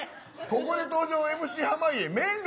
ここで登場、ＭＣ濱家麺類